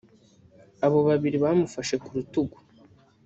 abo babiri bamufashe ku rutugu